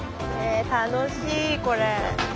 楽しいこれ。